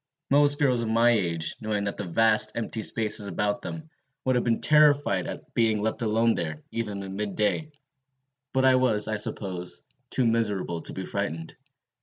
Most girls of my age, knowing these vast empty spaces about them, would have been terrified at being left alone there, even in mid day. But I was, I suppose, too miserable to be frightened.